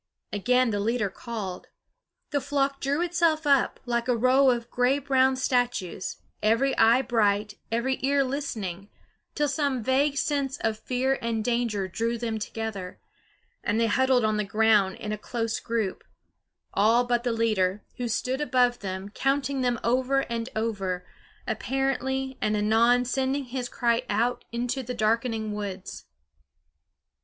Again the leader called. The flock drew itself up, like a row of gray brown statues, every eye bright, every ear listening, till some vague sense of fear and danger drew them together; and they huddled on the ground in a close group; all but the leader, who stood above them, counting them over and over, apparently, and anon sending his cry out into the darkening woods.